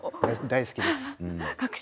大好きです。